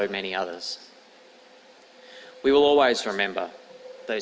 kita akan selalu ingat dua ratus dua orang yang tidak berhubungan